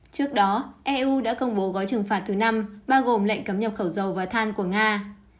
trước đó eu đã công bố gói trừng phạt thứ năm bao gồm lệnh cấm nhập khẩu dầu và than của nga